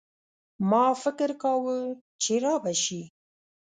ما فکر کاوه چي رابه شي.